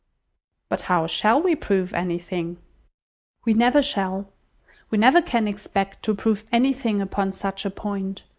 "But how shall we prove anything?" "We never shall. We never can expect to prove any thing upon such a point.